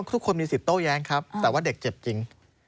ทุกคนมีสิทธิโต้แย้งครับแต่ว่าเด็กเจ็บจริง